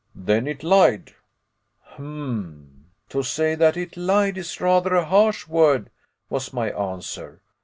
"Then it lied." "Hem to say it lied is rather a harsh word," was my answer.